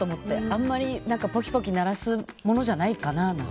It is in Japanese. あまりポキポキ鳴らすものじゃないかなと。